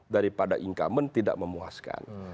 daripada incumbent tidak memuaskan